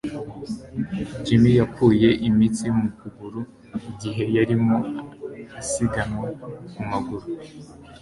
Jim yakuye imitsi mu kuguru igihe yarimo asiganwa ku maguru.